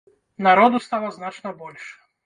Народу стала значна больш.